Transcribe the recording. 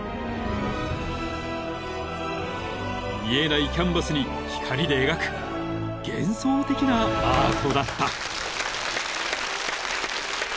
［見えないキャンバスに光で描く幻想的なアートだった］